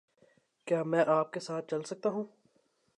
کیا میں آپ کے ساتھ چل سکتا ہوں؟